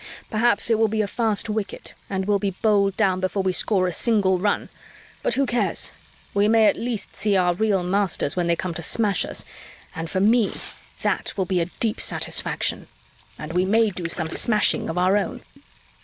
Perhaps it will be a fast wicket and we'll be bowled down before we score a single run, but who cares? We may at least see our real masters when they come to smash us, and for me that will be a deep satisfaction. And we may do some smashing of our own."